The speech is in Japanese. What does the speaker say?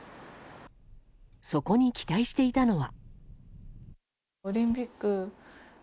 そこに期待していたのは。